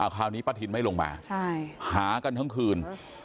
คราวนี้ป้าทินไม่ลงมาหากันทั้งคืน